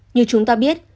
như chúng ta biết